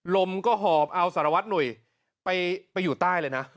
ลมก็หอบเอาสารวัตรหนุ่ยไปอยู่ใต้เลยนะ